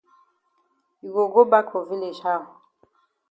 You go go bak for village how?